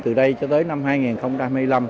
từ đây cho tới năm hai nghìn hai mươi năm